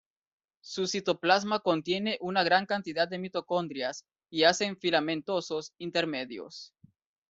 Su citoplasma contiene una gran cantidad de mitocondrias y hacen filamentosos intermedios.